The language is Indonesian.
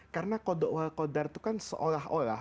karena koda dan kodar itu kan seolah olah